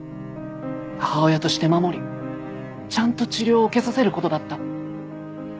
母親として守りちゃんと治療を受けさせることだった。